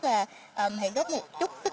và hãy đốt một chút